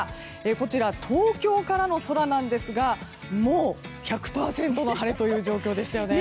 こちら東京からの空なんですがもう１００％の晴れという状況でしたよね。